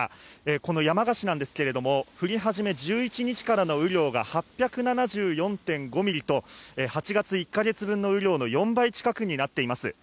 この山鹿市なんですが、降り始め１１日からの雨量が８７４．５ミリと８月１か月分に降る雨の４倍近くとなっています。